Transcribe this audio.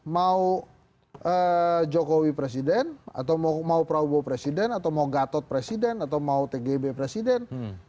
mau jokowi presiden atau mau prabowo presiden atau mau gatot presiden atau mau tgb presiden